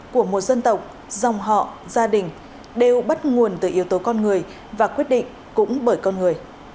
của một dân tộc dòng họ gia đình đều bắt nguồn từ yếu tố con người và quyết định cũng bởi con người